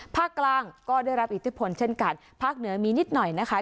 ภาคกลางก็ได้รับอิทธิพลเช่นกันภาคเหนือมีนิดหน่อยนะคะ